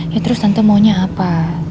ya terus tante maunya apa